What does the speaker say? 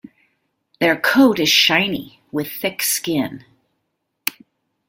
Their coat is shiny with thick skin.